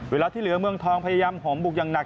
เวลาที่เหลือเมืองทองพยายามหอมบุกอย่างหนัก